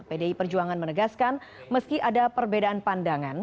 pdi perjuangan menegaskan meski ada perbedaan pandangan